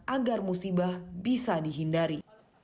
agar musibah bisa dihindari